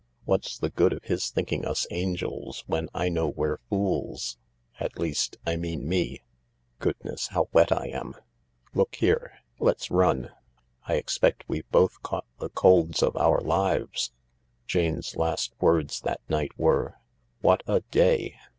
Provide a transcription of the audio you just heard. What's the good of his thinking us angels when I know we're fools— at least, I mean me ? Goodness, how wet I am I Look here— let's run. I expect we've both caught the colds of our lives I " Jane's last words that night were :" What a day